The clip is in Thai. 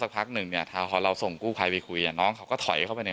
ปีนออกมานด้านหน้าห้องก็จะละจาสอดกระด่งกระด่าห์นเข้าไปคุย